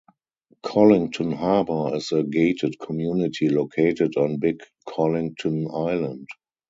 Colington Harbour is a gated community located on Big Colington Island.